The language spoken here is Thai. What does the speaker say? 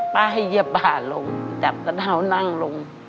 ป้าให้เยียบหาลุงจับสะดาวนั่งลุง